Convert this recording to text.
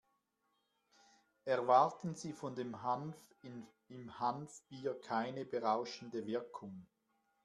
Erwarten Sie von dem Hanf im Hanfbier keine berauschende Wirkung.